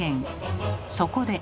そこで。